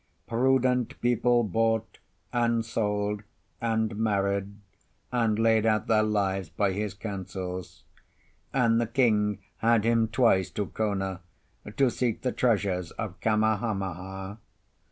Prudent people bought, and sold, and married, and laid out their lives by his counsels; and the King had him twice to Kona to seek the treasures of Kamehameha.